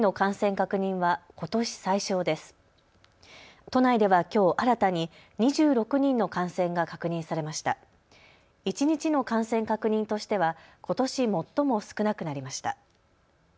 一日の感染確認としては、ことし最も少なくなりました。